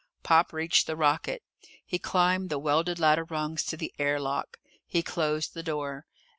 Pop reached the rocket. He climbed the welded ladder rungs to the air lock. He closed the door.